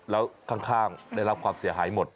แล้วข้างได้รับความเสียหายหมด